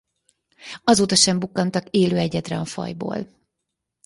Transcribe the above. Azóta sem bukkantak élő egyedre a fajból.